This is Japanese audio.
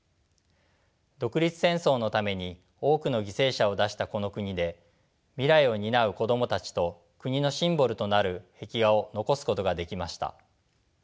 独立戦争のために多くの犠牲者を出したこの国で未来を担う子供たちと国のシンボルとなる壁画を残すことができました。